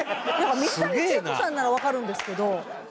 水谷千重子さんならわかるんですけど。